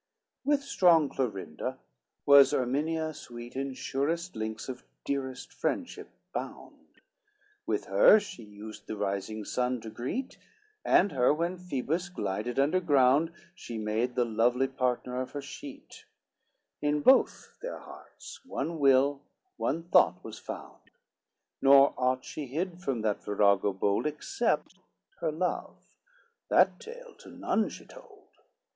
LXXIX With strong Clorinda was Erminia sweet In surest links of dearest friendship bound, With her she used the rising sun to greet, And her, when Phoebus glided under ground, She made the lovely partner of her sheet; In both their hearts one will, one thought was found; Nor aught she hid from that virago bold, Except her love, that tale to none she told.